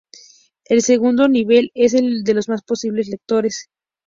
El segundo nivel es el de los posibles lectores.